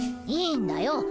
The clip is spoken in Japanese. いいんだよ。